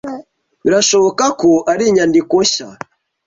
Birashoboka ko ari inyandiko nshya.